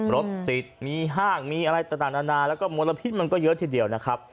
รถติดมีห้างมีอะไรต่างนานาแล้วก็มลพิษมันก็เยอะทีเดียวนะครับ